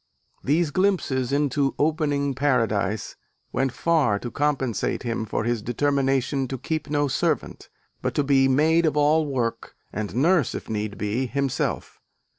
These glimpses into "opening Paradise" went far to compensate him for his determination to keep no servant, but to be maid of all work, and nurse if need be, himself.